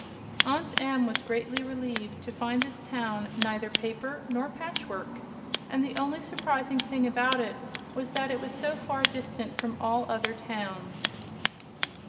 Aunt Em was greatly relieved to find this town "neither paper nor patch work," and the only surprising thing about it was that it was so far distant from all other towns.